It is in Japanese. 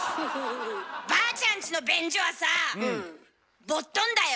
ばあちゃんちの便所はさあボットンだよ。